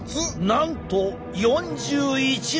なんと４１℃！